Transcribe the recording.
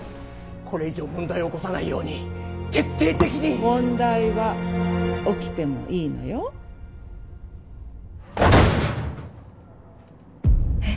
これ以上問題を起こさないように徹底的に問題は起きてもいいのよえっ？